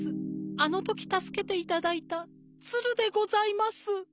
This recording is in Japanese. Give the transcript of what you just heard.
あのときたすけていただいたツルでございます」。